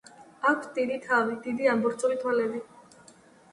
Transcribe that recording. აქვთ დიდი თავი, დიდი, ამობურცული თვალები.